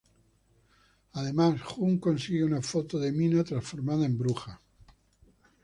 Además Jun consigue una foto de Mina transformada en bruja.